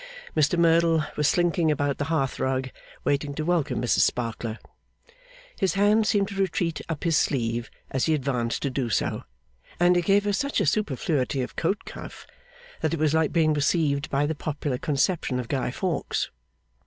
Mr Merdle was slinking about the hearthrug, waiting to welcome Mrs Sparkler. His hand seemed to retreat up his sleeve as he advanced to do so, and he gave her such a superfluity of coat cuff that it was like being received by the popular conception of Guy Fawkes.